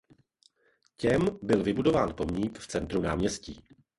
Těm byl vybudován pomník v centru náměstí.